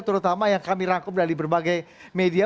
terutama yang kami rangkum dari berbagai media